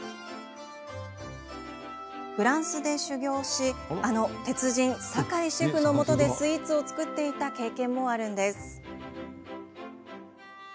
フランスで修業しあの鉄人、坂井シェフのもとでスイーツを作っていた経験もあるんです。